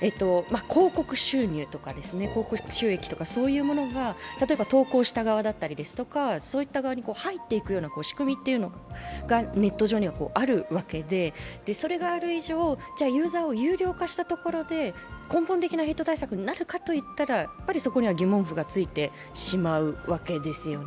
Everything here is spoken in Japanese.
広告収入とか広告収益とかそういうものが例えば投稿した側、そういった側に入っていく仕組みがネット上にはあるわけでそれがある以上、ユーザーを有料化したところで根本的な対策になるかというとやっぱりそこには疑問符がついてしまうわけですね。